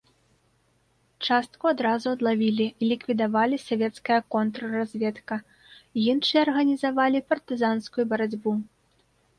Частку адразу адлавілі і ліквідавалі савецкая контрразведка, іншыя арганізавалі партызанскую барацьбу.